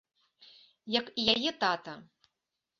Як і яе тата.